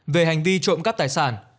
về hành vi trộm cắp tài sản